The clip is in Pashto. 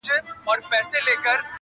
هر زړه يو درد ساتي تل-